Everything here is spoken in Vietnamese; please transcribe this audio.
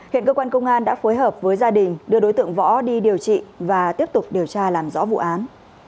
hiện cơ quan công an đã phối hợp với gia đình đưa đối tượng võ đi điều trị và tiếp tục điều tra làm rõ vụ án